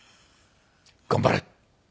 頑張れ！」。